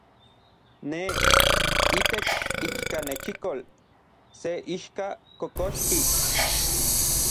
Ne, itech ichkanechikol, se ixka kokoxki.